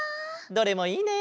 どれもいいね！